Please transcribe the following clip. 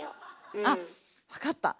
あっ分かった。